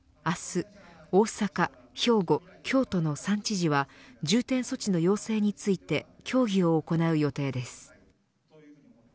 明日、大阪、兵庫京都の３知事は重点措置の要請について協議を行う予定です。